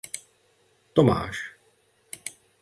Tomáš.